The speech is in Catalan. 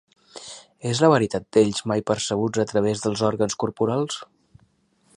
És la veritat d'ells mai percebuts a través dels òrgans corporals?